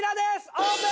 オープン！